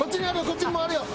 こっちにもあるよ！